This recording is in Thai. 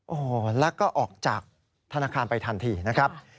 โอ้โหแล้วก็ออกจากธนาคารไปทันทีนะครับ